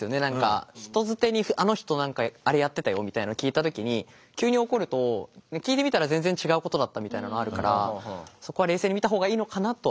人づてに「あの人何かあれやってたよ」みたいのを聞いた時に急に怒ると聞いてみたら全然違うことだったみたいなのがあるからそこは冷静に見た方がいいのかなとは思いました。